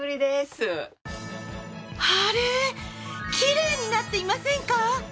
あれキレイになっていませんか？